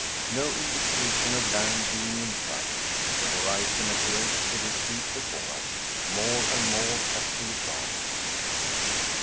No indication of land being in sight. The horizon appears to retreat before us, more and more as we advance.